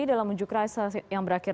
dalam unjuk rasa yang berakhir